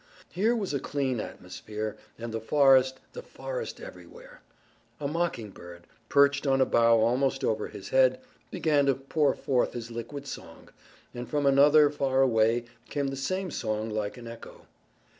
Here was a clean atmosphere, and the forest, the forest everywhere. A mockingbird, perched on a bough almost over his head, began to pour forth his liquid song, and from another far away came the same song like an echo.